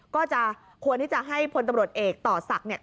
ก็ควรที่จะให้พลตำรวจเอกต่อศักดิ์สุขวิมล